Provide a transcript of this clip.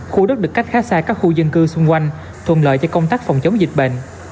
khu đất được cách khá xa các khu dân cư xung quanh thuận lợi cho công tác phòng chống dịch bệnh